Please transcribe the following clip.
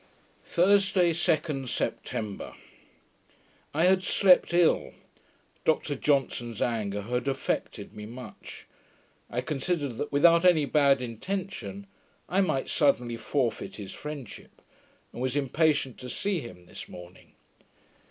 Thursday, 2d September I had slept ill. Dr Johnson's anger had affected me much. I considered that, without any bad intention, I might suddenly forfeit his friendship; and was impatient to see him this morning.